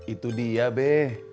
itu dia be